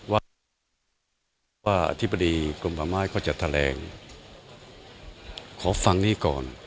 ว่าว่าอธิบดีกรมป่าไม้เขาจะแถลงขอฟังนี้ก่อน